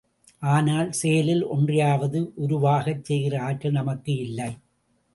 ஆனால், செயலில் ஒன்றையாவது உருவாகச் செய்கிற ஆற்றல் நமக்கு இல்லை.